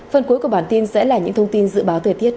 phần cuối của bản tin sẽ là những thông tin dự báo thời tiết